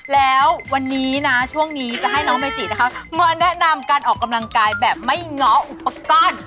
แล้ววันนี้นะช่วงนี้จะให้น้องเมจินะคะมาแนะนำการออกกำลังกายแบบไม่ง้ออุปกรณ์